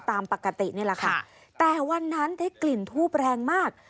ตามปกตินี่แหละค่ะแต่วันนั้นได้กลิ่นทูบแรงมาก